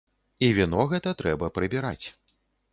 І віно гэта трэба прыбіраць.